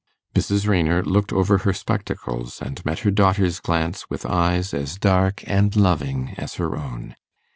Mrs. Raynor looked over her spectacles, and met her daughter's glance with eyes as dark and loving as her own.